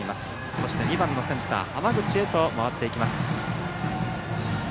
そして２番のセンター浜口へと回っていきます。